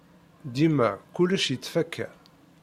Dima kullec yettfaka.